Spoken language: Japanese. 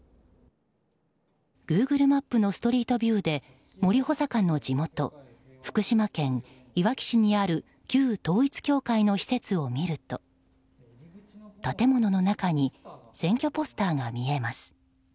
グーグルマップのストリートビューで森補佐官の地元福島県いわき市にある旧統一教会の施設を見ると建物の中に選挙ポスターが見えます。